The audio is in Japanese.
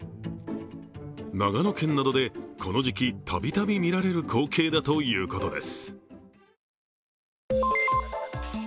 長野県などでこの時期たびたび見られる光景だということです。